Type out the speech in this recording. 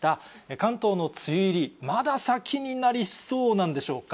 関東の梅雨入り、まだ先になりそうなんでしょうか。